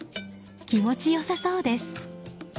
気持ち良さそうです。